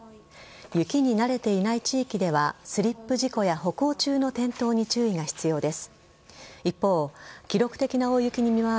雪に慣れてない地域ではスリップ事故や歩行中の転倒に注意が必要です。